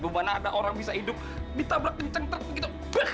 bukan ada orang bisa hidup ditabrak kenceng kenceng gitu